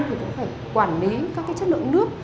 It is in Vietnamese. thì cũng phải quản lý các chất lượng nước